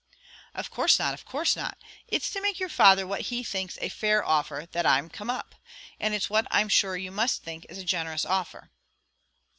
"Of course not, of course not. It's to make your father what he thinks a fair offer that I'm come up; and it's what I'm sure you must think is a generous offer."